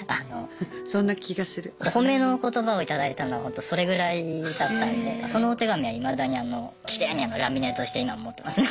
お褒めの言葉を頂いたのはほんとそれぐらいだったのでそのお手紙はいまだにあのきれいにラミネートして今も持ってますね。